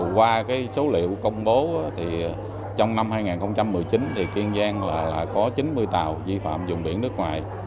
qua số liệu công bố trong năm hai nghìn một mươi chín kiên giang có chín mươi tàu vi phạm vùng biển nước ngoài